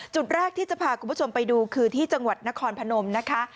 จุดแรกที่จะพาคุณผู้ชมไปดูคือที่จังหวัดนครพนมนะคะ